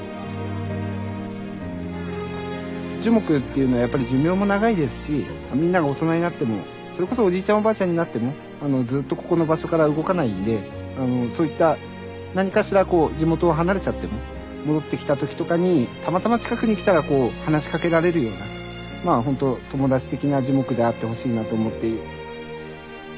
樹木っていうのはやっぱり寿命も長いですしみんなが大人になってもそれこそおじいちゃんおばあちゃんになってもずっとここの場所から動かないんでそういった何かしら地元を離れちゃっても戻ってきた時とかにたまたま近くにきたら話しかけられるようなほんと友達的な樹木であってほしいなと思って。